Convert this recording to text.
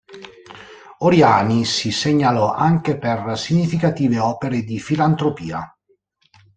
Oriani sì segnalò anche per significative opere di filantropia.